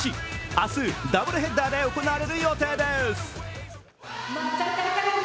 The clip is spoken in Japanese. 明日、ダブルヘッダーで行われる予定です。